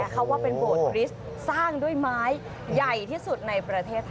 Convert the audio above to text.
เขาว่าเป็นโบสถริสต์สร้างด้วยไม้ใหญ่ที่สุดในประเทศไทย